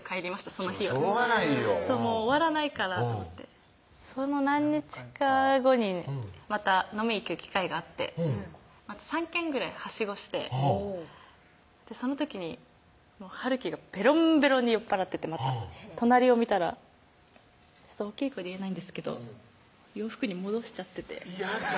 その日はしょうがないよ終わらないからと思ってその何日か後にまた飲みに行く機会があって３軒ぐらいはしごしてその時に晴輝がベロンベロンに酔っ払っててまた隣を見たら大きい声で言えないんですけど洋服に戻しちゃってて嫌だ